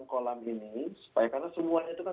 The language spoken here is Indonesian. kolam ini supaya karena semuanya